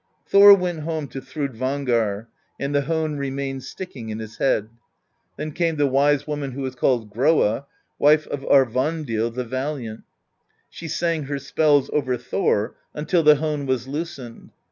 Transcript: "Thor went home to Thrudvangar, and the hone re mained sticking in his head. Then came the wise woman who was called Groa, wife of Aurvandill the Valiant: she sang her spells over Thor until the hone was loosened.